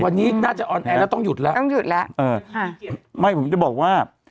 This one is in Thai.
วันนี้น่าจะออนแอร์แล้วต้องหยุดแล้วต้องหยุดแล้วเออค่ะไม่ผมจะบอกว่า